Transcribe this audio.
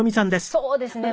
そうですね。